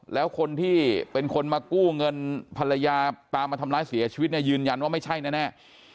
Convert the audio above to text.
แล้วคนที่เป็นคนมากู้เงินภรรยาตามมาทำร้ายเสียชีวิตเนี่ยยืนยันว่าไม่ใช่แน่